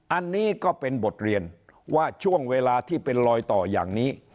อันนี้ก็เป็นบทเรียนว่าช่วงเวลาที่เป็นลอยต่ออย่างนี้